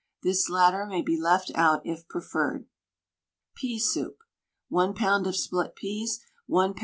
This latter may be left out if preferred. PEA SOUP. 1 lb. of split peas, 1 lb.